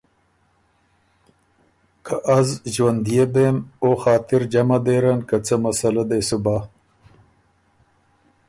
که از ݫوَنديې بېم، او خاطر جمع دېرن که څۀ مسئلۀ دې سو بَۀ